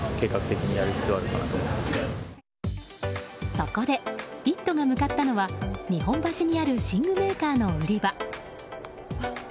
そこで「イット！」が向かったのは日本橋にある寝具メーカーの売り場。